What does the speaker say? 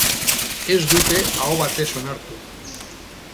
Ez dute aho batez onartu.